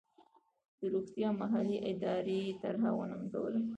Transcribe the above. د روغتیا محلي ادارې طرحه وننګوله.